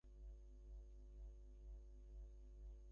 কিন্তু সাধারণ লোকে এ কার্যে সহায় হইবে বলিয়া মনে হয় না।